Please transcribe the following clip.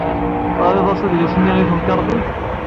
Terrid adlis-nni i temkarḍit?